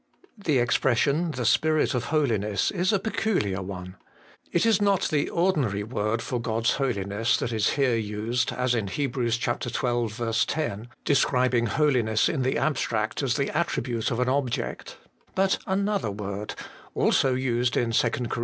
The expression, the Spirit of holiness, is a peculiar one. It is not the ordinary word for God's Holiness that is here used as in Heb. xii 10, describing holi ness in the abstract as the attribute of an object, 168 HOLY IN CHRIST. but another word (also used in 2 Cor.